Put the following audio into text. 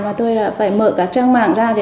và tôi là phải mở cả trang mạng ra để